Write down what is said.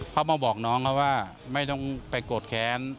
เขามาบอกน้องเขาว่าไม่ต้องไปโกรธแค้น